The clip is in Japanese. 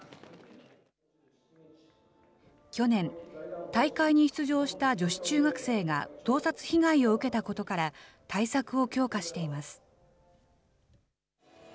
去年、大会に出場した女子中学生が盗撮被害を受けたことから、対策を強化しています。